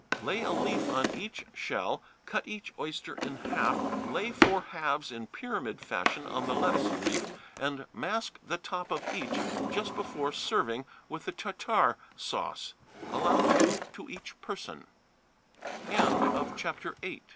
Lay a leaf on each shell, cut each oyster in half, lay four halves in pyramid fashion on the lettuce leaf, and mask the top of each, just before serving, with Tartare sauce. Allow two to each person. FOOTNOTES: [71 *] See No.